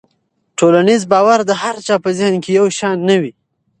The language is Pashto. ټولنیز باور د هر چا په ذهن کې یو شان نه وي.